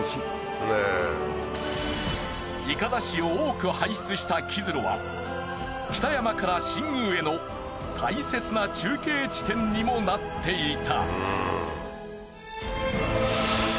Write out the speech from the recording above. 筏師を多く輩出した木津呂は北山から新宮への大切な中継地点にもなっていた。